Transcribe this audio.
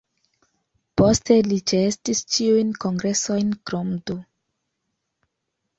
Poste li ĉeestis ĉiujn kongresojn, krom du.